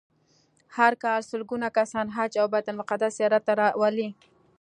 هر کال سلګونه کسان حج او بیت المقدس زیارت ته راولي.